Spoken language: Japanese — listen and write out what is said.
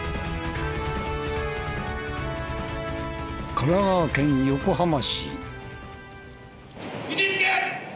神奈川県横浜市。